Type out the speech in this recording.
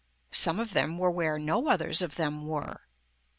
Some of them were where no others of them were.